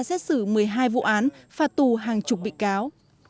xét xử một mươi hai vụ án phạt tù hàng chục bị cáo